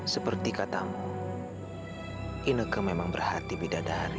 seperti katamu ineke memang berhati bidadari